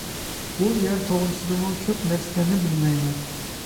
بۇ يەر توغرىسىدىمۇ كۆپ نەرسىلەرنى بىلمەيمەن.